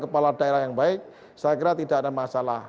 kepala daerah yang baik saya kira tidak ada masalah